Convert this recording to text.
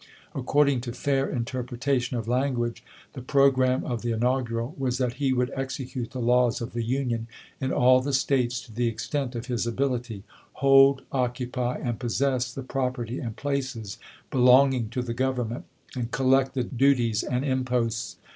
According to fair interpre tation of language, the programme of the inaugural was that he would execute the laws of the Union in all the States to the extent of his ability ; hold, oc cupy, and possess the property and places belong ing to the Government, and collect the duties and imposts.